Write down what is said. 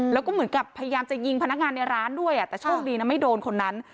แล้วก็เหมือนกับพยายามจะยิงพนักงานในร้านด้วยแต่โชคดีนะไม่โดนคนนั้น